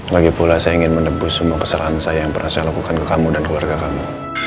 lagipula saya ingin menembus semua keserahan saya yang pernah saya lakukan ke kamu dan keluarga kamu